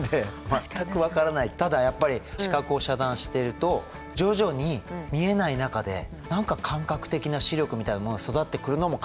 ただやっぱり視覚を遮断していると徐々に見えない中で何か感覚的な視力みたいなものが育ってくるのも感じたんですよね。